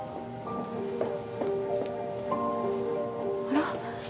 あら？